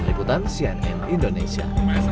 diperikutan cnn indonesia